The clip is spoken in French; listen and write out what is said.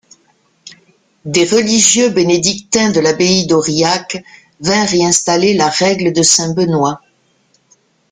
Des religieux bénédictins de l'abbaye d'Aurillac vinrent y installer la règle de saint Benoît.